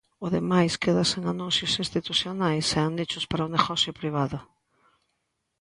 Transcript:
O demais quédase en anuncios institucionais e en nichos para o negocio privado.